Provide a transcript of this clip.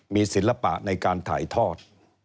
มีศิลปะในการถ่ายทอด